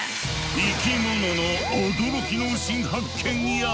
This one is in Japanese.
生き物の驚きの新発見や。